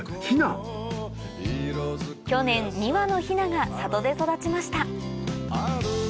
去年２羽のヒナが里で育ちました